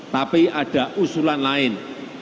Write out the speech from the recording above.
tapi ada usulan lain